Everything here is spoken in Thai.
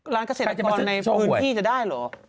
เกษตรกรในพื้นที่จะได้เหรอ